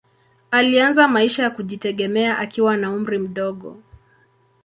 Alianza maisha ya kujitegemea akiwa na umri mdogo.